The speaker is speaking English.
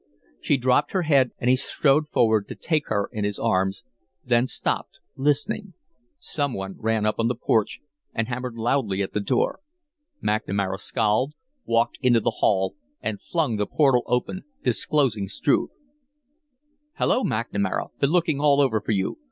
She dropped her head, and he strode forward to take her in his arms, then stopped, listening. Some one ran up on the porch and hammered loudly at the door. McNamara scowled, walked into the hall, and flung the portal open, disclosing Struve. "Hello, McNamara! Been looking all over for you.